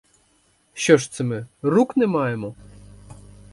Що ж це ми — рук не маємо?